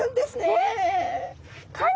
え